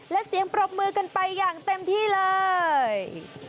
และเสียงปรบมือกันไปอย่างเต็มที่เลย